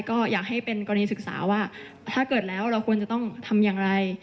ก็อยากให้เป็นกรณีศึกษาว่าถ้าเกิดแล้วเราควรจะต้องทำอย่างไร